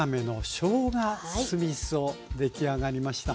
出来上がりました。